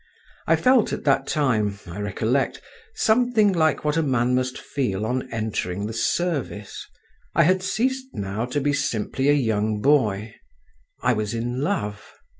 I felt at that time, I recollect, something like what a man must feel on entering the service: I had ceased now to be simply a young boy; I was in love.